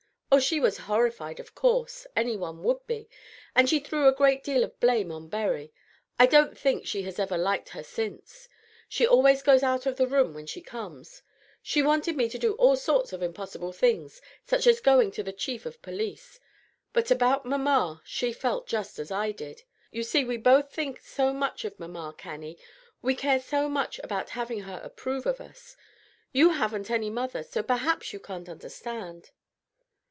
"Oh, she was horrified, of course. Any one would be; and she threw a great deal of blame on Berry. I don't think she has ever liked her since. She always goes out of the room when she comes. She wanted me to do all sorts of impossible things, such as going to the chief of police. But about mamma, she felt just as I did. You see we both think so much of mamma, Cannie; we care so much about having her approve of us. You haven't any mother; so perhaps you can't understand."